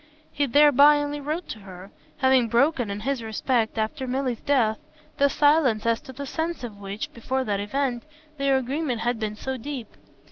He thereby only wrote to her, having broken, in this respect, after Milly's death, the silence as to the sense of which, before that event, their agreement had been so deep.